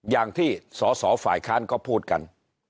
อย่างที่สสฝ่ายค้านก็พูดกัน